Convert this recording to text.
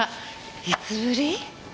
いつぶり？